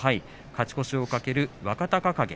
勝ち越しを懸ける若隆景。